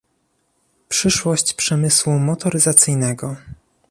Przyszłość przemysłu motoryzacyjnego